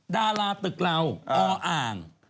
ดาราตึกเราออ่าง